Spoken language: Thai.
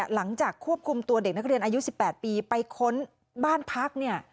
หลังจากควบคุมตัวเด็กนักเรียนอายุ๑๘ปีไปค้นบ้านพักเนี่ย